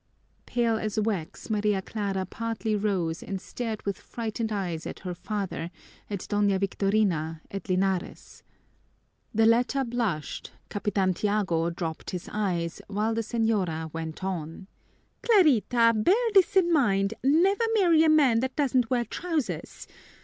Pale as wax, Maria Clara partly rose and stared with frightened eyes at her father, at Doña Victorina, at Linares. The latter blushed, Capitan Tiago dropped his eyes, while the señora went on: "Clarita, bear this in mind: never marry a man that doesn't wear trousers.